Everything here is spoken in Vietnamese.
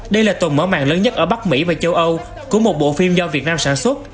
đây là tồn mở mạng lớn nhất ở bắc mỹ và châu âu của một bộ phim do việt nam sản xuất